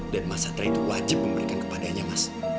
dan mas satria itu wajib memberikan kepadanya mas